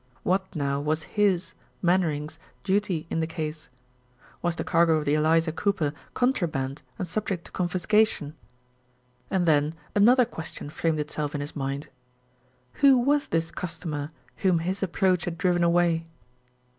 What now was his Mainwaring's duty in the case? Was the cargo of the Eliza Cooper contraband and subject to confiscation? And then another question framed itself in his mind: Who was this customer whom his approach had driven away?